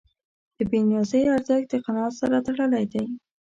د بېنیازۍ ارزښت د قناعت سره تړلی دی.